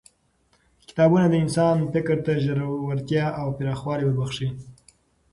کتابونه د انسان فکر ته ژورتیا او پراخوالی وربخښي